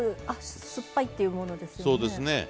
あっ酸っぱいっていうものですよね。